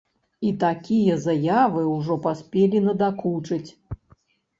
І такія заявы ўжо паспелі надакучыць.